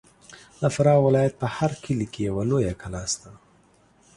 د فراه ولایت په هر کلي کې یوه لویه کلا سته.